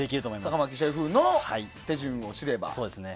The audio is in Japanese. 坂巻シェフの手順を知れば。